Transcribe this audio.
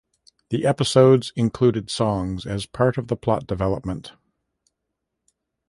The episodes included songs as part of the plot development.